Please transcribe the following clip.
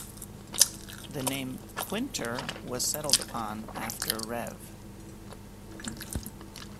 The name Quinter was settled upon, after Rev.